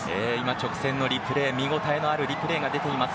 直線のリプレイ見応えのあるリプレイが出ています。